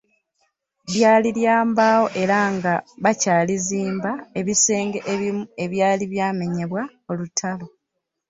Lyali lya mbaawo era nga bakyalizimba ebisenge ebimu ebyali byamenyebwa olutalo.